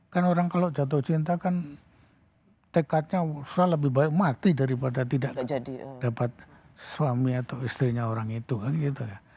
kan orang kalau jatuh cinta kan tekadnya sudah lebih baik mati daripada tidak dapat suami atau istrinya orang itu kan gitu ya